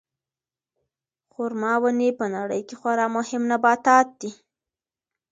خورما ونې په نړۍ کې خورا مهم نباتات دي.